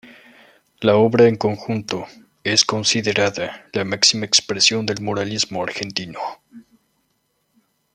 La obra en su conjunto es considerada la máxima expresión del muralismo argentino.